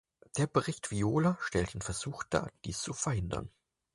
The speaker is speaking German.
Der Bericht Viola stellt den Versuch dar, dies zu verhindern.